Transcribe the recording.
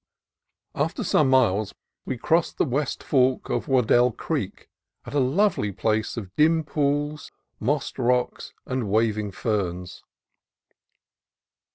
After some miles we crossed the west fork of Waddell Creek at a lovely place of dim pools, mossed rocks, and waving ferns.